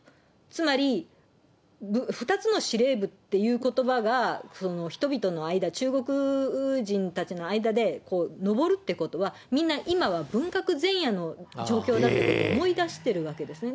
つまり２つの司令部っていうことばが、人々の間、中国人たちの間で上るってことは、みんな、今は文革前夜の状況だと思い出してるわけですよね。